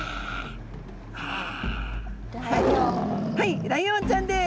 はいライオンちゃんです。